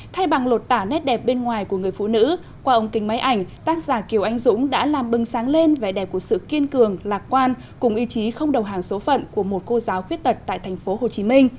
thay bằng lột tả nét đẹp bên ngoài của người phụ nữ qua ông kinh máy ảnh tác giả kiều anh dũng đã làm bưng sáng lên vẻ đẹp của sự kiên cường lạc quan cùng ý chí không đầu hàng số phận của một cô giáo khuyết tật tại tp hcm